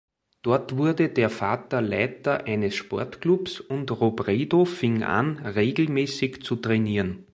Dort wurde der Vater Leiter eines Sportclubs und Robredo fing an, regelmäßig zu trainieren.